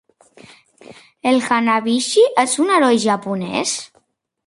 El Hanabishi és un heroi japonès?